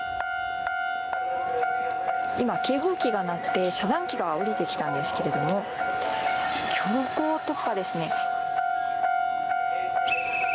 今、警報機が鳴って遮断機が下りてきたんですけど強行突破ですね。